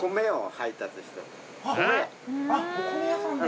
あっお米屋さんで。